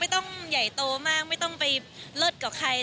ต้องใหญ่โตมากไม่ต้องไปเลิศกับใคร